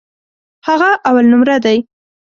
هغه اولنومره دی.